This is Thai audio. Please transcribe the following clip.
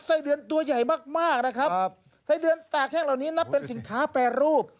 ไส้เดือนตากแห้งเหล่านี้นับเป็นสินค้าแปรรูป